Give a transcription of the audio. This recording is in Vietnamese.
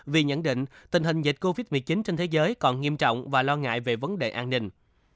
vì nhận định tình hình dịch covid một mươi chín trên thế giới còn nghiêm trọng và lo ngại về vấn đề an ninh